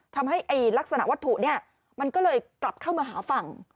ทำให้ลักษณะวัตถุเนี่ยมันก็เลยกลับเข้ามาหาฝั่ง